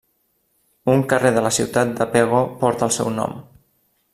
Un carrer de la ciutat de Pego porta el seu nom.